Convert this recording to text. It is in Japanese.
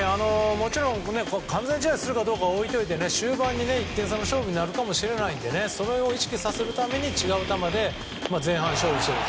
もちろん完全試合をするかどうかは置いておいて終盤に１点差の勝負になるかもしれないのでそれを意識させるために違う球で前半勝負している。